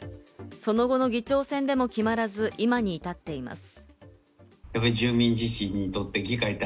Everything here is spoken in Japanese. その後の議長選でも決まらず、今に至っています。